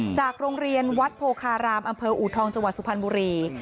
จากโรงเรียนวัดโพคารามอำเภออูทองจังหวัดสุพรรณบุรี